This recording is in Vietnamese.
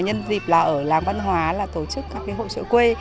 nhân dịp là ở làng văn hóa là tổ chức các cái hội trợ quê